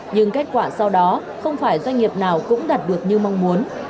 nhưng kết quả sau đó không phải doanh nghiệp nào cũng đạt được như mong muốn